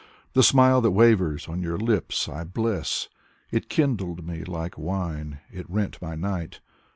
The smile that wavers on your lips I bless! It kindled me like wine, it rent my night.